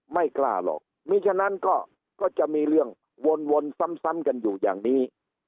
ไม่กล้าหรอกมีฉะนั้นก็จะมีเรื่องวนซ้ำกันอยู่อย่างนี้